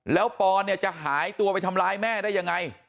แล้วปลอร์จะหายตัวจะทำลายแม่ได้ยังไง